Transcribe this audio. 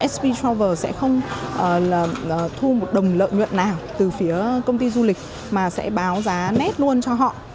sp travel sẽ không thu một đồng lợi nhuận nào từ phía công ty du lịch mà sẽ báo giá net luôn cho họ